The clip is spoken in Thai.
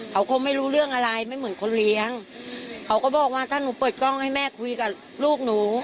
เขาคงไม่รู้เรื่องอะไรไม่เหมือนคนเลี้ยงเขาก็บอกว่าถ้าหนูเปิดกล้องให้แม่คุยกับลูกหนู